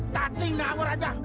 tancing nahor aja